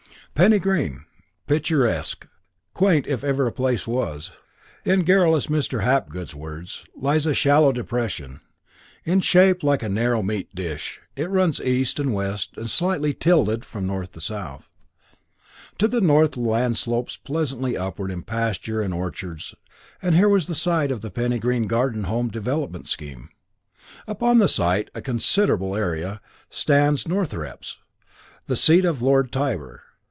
II Penny Green "picturesque, quaint if ever a place was", in garrulous Mr. Hapgood's words lies in a shallow depression, in shape like a narrow meat dish. It runs east and west, and slightly tilted from north to south. To the north the land slopes pleasantly upward in pasture and orchards, and here was the site of the Penny Green Garden Home Development Scheme. Beyond the site, a considerable area, stands Northrepps, the seat of Lord Tybar.